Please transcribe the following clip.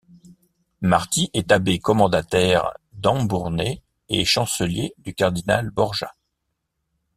Martí est abbé commendataire d'Ambournay et chancelier du cardinal Borja.